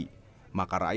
maka rakyatnya akan berpikir